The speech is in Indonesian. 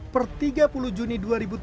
per tiga puluh juni dua ribu tujuh belas